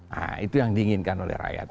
nah itu yang diinginkan oleh rakyat